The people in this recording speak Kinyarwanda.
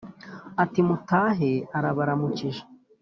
Uti mutahe arabaramukije